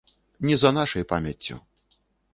Не за нашай памяццю.